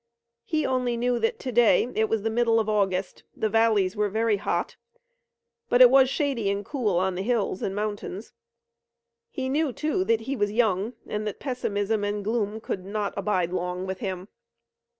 He only knew that to day it was the middle of August, the valleys were very hot, but it was shady and cool on the hills and mountains. He knew, too, that he was young, and that pessimism and gloom could not abide long with him.